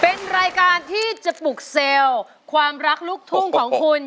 เป็นรายการที่จะปลุกเซลล์ความรักลูกทุ่งของคุณ